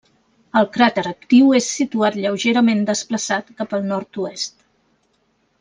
El cràter actiu és situat lleugerament desplaçat cap al nord-oest.